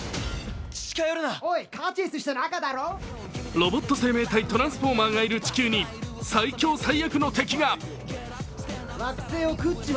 ロボット生命体・トランスフォーマーがいる地球に最強最悪の敵が。